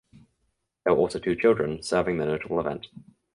There were also two children serving the notable event.